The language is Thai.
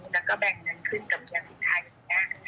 แล้วก็แบ่งเงินขึ้นกับเมียไทยของแก